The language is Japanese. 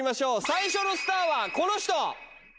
最初のスターはこの人。